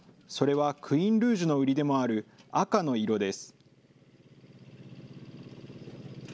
それはクイーンルージュの売りでもある赤の色です。